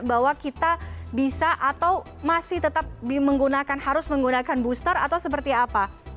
bahwa kita bisa atau masih tetap menggunakan harus menggunakan booster atau seperti apa